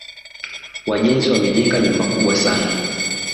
Wajenzi wamejenga nyumba kubwa sana